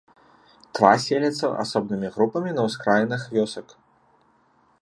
Тва селяцца асобнымі групамі на ўскраінах вёсак.